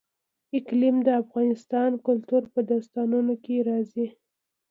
اقلیم د افغان کلتور په داستانونو کې راځي.